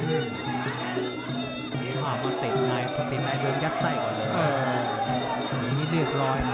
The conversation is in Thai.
ปฏิบัติไหนปฏิบัติไหนโดนยัดใส่ก่อนเลย